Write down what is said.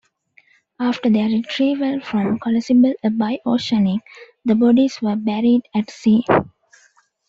After their retrieval from Collapsible A by "Oceanic", the bodies were buried at sea.